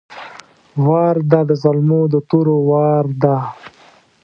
وار ده د زلمو د تورو وار ده!